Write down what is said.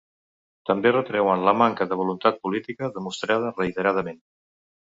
També retreuen la manca de voluntat política demostrada reiteradament.